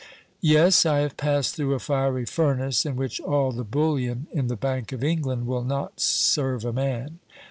"Yes, I have passed through a fiery furnace in which all the bullion in the Bank of England will not serve a man.